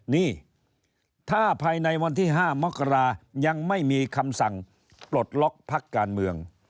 นี่ถ้าภายในวันที่๕มกรายังไม่มีคำสั่งปลดล็อกพักการเมือง